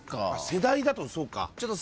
世代だとそうか。